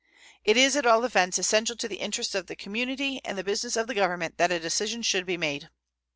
It is, at all events, essential to the interests of the community and the business of the Government that a decision should be made.